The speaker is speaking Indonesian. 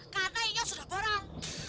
karena ini sudah borong